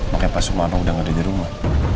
makanya pak sumarno udah nggak ada di rumah